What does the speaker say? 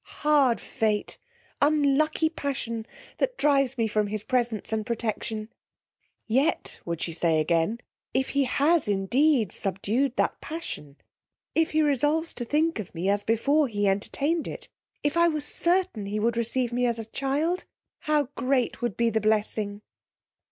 Hard fate! unlucky passion that drives me from his presence and protection. Yet, would she say again, if he has indeed subdued that passion; if he resolves to think of me as before he entertained it; if I were certain he would receive me as a child, how great would be, the blessing!